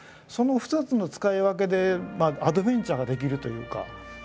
その２つの使い分けでアドベンチャーができるというか。